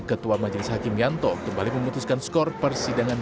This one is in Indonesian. ketua majelis hakim yanto kembali memutuskan skor persidangan